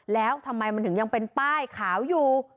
แล้วทำไมมันถึงยังเป็นป้ายขาวอยู่